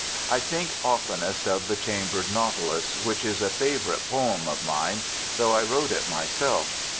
I think oftenest of the Chambered Nautilus, which is a favourite poem of mine, though I wrote it myself.